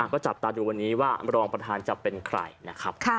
ก็จับตาดูวันนี้ว่ารองประธานจะเป็นใครนะครับ